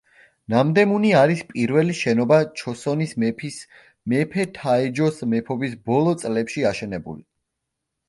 ნამდემუნი არის პირველი შენობა ჩოსონის მეფის მეფე თაეჯოს მეფობის ბოლო წლებში აშენებული.